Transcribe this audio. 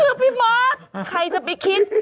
คือพี่มอสใครจะไปคิด